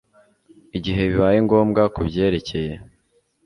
igihe bibaye ngombwa ku byerekeye